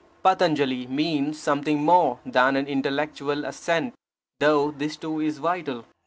Patanjali means something more than an intellectual assent, though this too is vital.